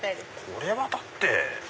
これはだって。